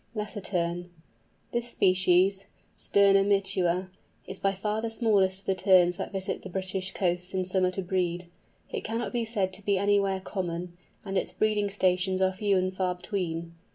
LESSER TERN. This species (Sterna minuta) is by far the smallest of the Terns that visit the British coasts in summer to breed. It cannot be said to be anywhere common, and its breeding stations are few and far between.